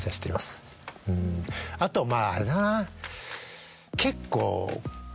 あとまぁあれだな結構。